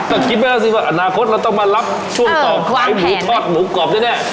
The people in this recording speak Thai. ก็คิดไม่ได้สิว่าอนาคตเราต้องมารับช่วงต่อใครหมูทอดหมูกรอบแน่